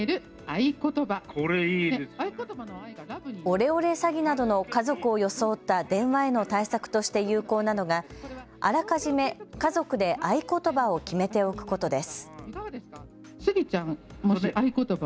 オレオレ詐欺などの家族を装った電話への対策として有効なのがあらかじめ家族で合言葉を決めておくことです。